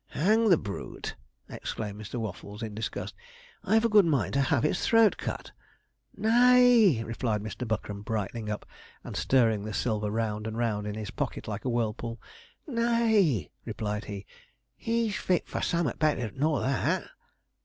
'Hang the brute!' exclaimed Mr. Waffles, in disgust; 'I've a good mind to have his throat cut.' 'Nay,' replied Mr. Buckram, brightening up, and stirring the silver round and round in his pocket like a whirlpool, 'nay,' replied he, 'he's fit for summat better nor that.'